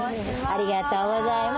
ありがとうございます。